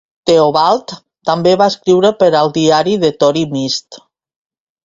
Theobald també va escriure per al Diari de Tory Mist.